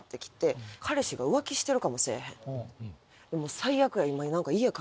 最悪や今。